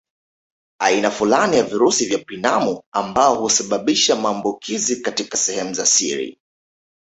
Aina fulani ya virusi vya pinamu ambao husababisha maambukizi katika sehemu za siri